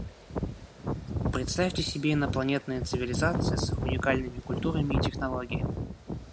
Представьте себе инопланетные цивилизации, с их уникальными культурами и технологиями.